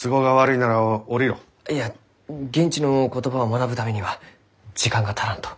いや現地の言葉を学ぶためには時間が足らんと。